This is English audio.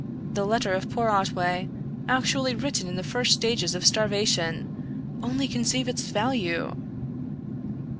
The letter of poor Otway, actually written in the first stages of starvation only conceive its value!"